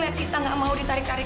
lihat cita gak mau ditarik tarik